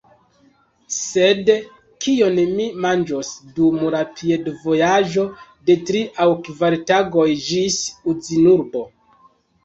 Sed kion mi manĝos dum piedvojaĝo de tri aŭ kvar tagoj ĝis Uzinurbo?